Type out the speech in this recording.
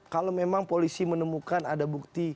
kalau memang polisi menemukan ada bukti